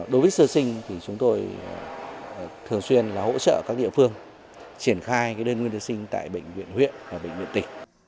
đối với sơ sinh thì chúng tôi thường xuyên hỗ trợ các địa phương triển khai đơn nguyên sơ sinh tại bệnh viện huyện và bệnh viện tỉnh